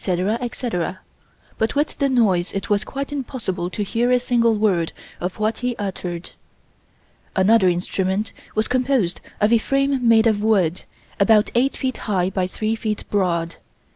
etc., but with the noise it was quite impossible to hear a single word of what he uttered. Another instrument was composed of a frame made of wood, about eight feet high by three feet broad.